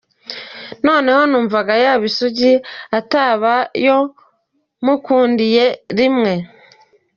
Noneho numvaga yaba isugi, ataba yo mukundiye rimwe.